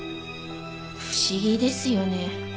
不思議ですよね。